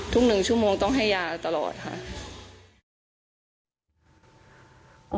ทุกหนึ่งชั่วโมงต้องให้ยาตลอดค่ะ